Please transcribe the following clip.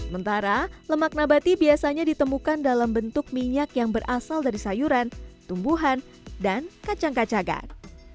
mentara lemak nabati biasanya ditemukan dalam bentuk minyak yang berasal dari sayuran tumbuhan dan kacang kacangan